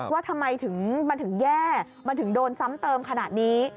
ว่าทำไมมันถึงแย่มันถึงโดนซ้ำเติมขนาดนี้